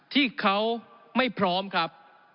ที่เขาไม่พร้อมครับ